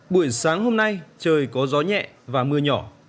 buổi sáng hôm nay trời có gió nhẹ và mưa nhỏ